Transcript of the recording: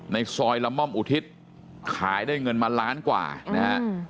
ในซอยละม่อมอุทิศขายได้เงินมาล้านกว่านะฮะ